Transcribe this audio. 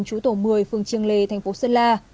chú tổ một mươi phường trường lề tp sơn la